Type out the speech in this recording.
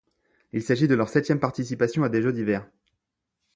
Il s'agit de leur septième participation à des Jeux d'hiver.